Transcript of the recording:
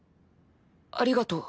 ありがとう。